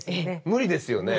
無理ですよね。